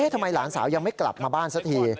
หลานสาวยังไม่กลับมาบ้านสักที